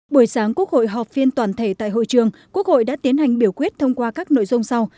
buổi sáng quốc hội họp phiên toàn thể tại hội trường quốc hội đã tiến hành biểu quyết thông qua các nội dung sau